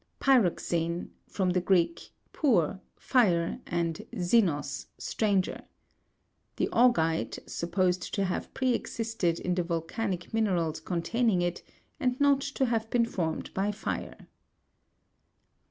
Py'roxene (from the Greek, pur, fire, and zenos, stranger). The augite, supposed to have pre existed in the volcanic minerals containing it, and riot to have been formed by fire.